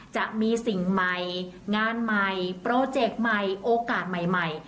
จะมีสิ่งใหม่งานใหม่โปรเจกต์ใหม่โอกาสใหม่